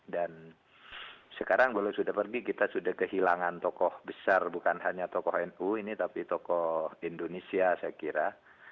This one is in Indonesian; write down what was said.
dan sekarang kalau sudah pergi kita sudah kehilangan tokoh besar bukan hanya tokoh nu ini tapi tokoh indonesia saya kira